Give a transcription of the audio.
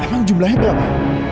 emang jumlahnya berapa